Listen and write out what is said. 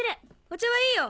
お茶はいいよ